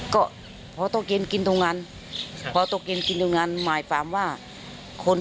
เขากลับบ้านมืดเขาก็ได้กลับข่าวเหมือนป้าบ้าง